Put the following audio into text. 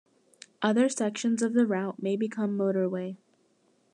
Other sections of the route may become motorway.